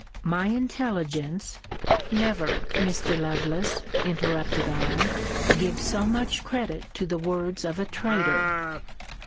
My intelligence Never, Mr. Lovelace, interrupted I, give so much credit to the words of a traitor.